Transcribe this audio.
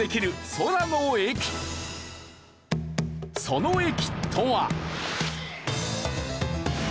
その駅とは。